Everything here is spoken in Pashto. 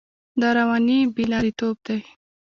دا رواني بې لارېتوب دی.